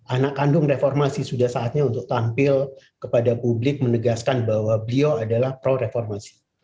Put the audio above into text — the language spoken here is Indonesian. anak kandung reformasi sudah saatnya untuk tampil kepada publik menegaskan bahwa beliau adalah pro reformasi